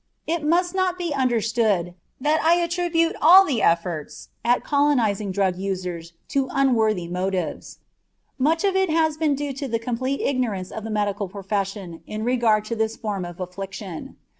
It must not be understood that I attribute all the efforts at colonizing drug users to unworthy motives. Much of it has been due to the complete ignorance of the medical profession in regard to this form of affliction.